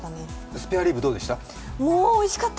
スペアリブ、どうでした？